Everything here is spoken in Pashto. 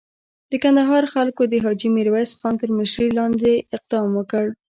د کندهار خلکو د حاجي میرویس خان تر مشري لاندې اقدام وکړ.